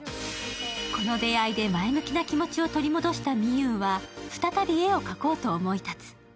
この出会いで、前向きな気持ちを取り戻した美優は再び、絵を描こうと思い立つ。